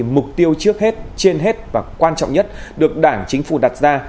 mục tiêu trước hết trên hết và quan trọng nhất được đảng chính phủ đặt ra